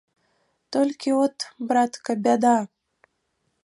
Толькі от, братка, бяда!